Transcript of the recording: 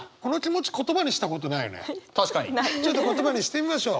ちょっと言葉にしてみましょう。